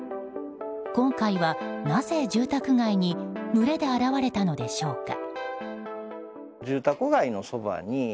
今回は、なぜ住宅街に群れで現れたのでしょうか。